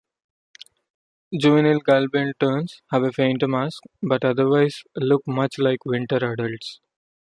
Juvenile gull-billed terns have a fainter mask, but otherwise look much like winter adults.